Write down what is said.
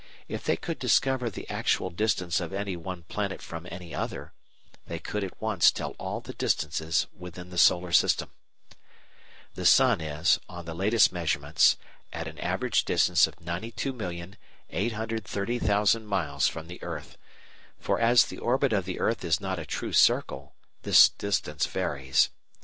If they could discover the actual distance of any one planet from any other, they could at once tell all the distances within the Solar System. The sun is, on the latest measurements, at an average distance of 92,830,000 miles from the earth, for as the orbit of the earth is not a true circle, this distance varies.